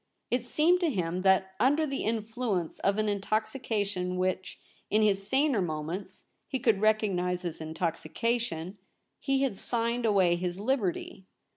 It seemed to him that under the influence of an intoxication which, in his saner moments, he could recognise as intoxication, he had signed away his liberty.